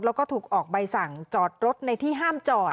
แล้วก็ถูกออกใบสั่งจอดรถในที่ห้ามจอด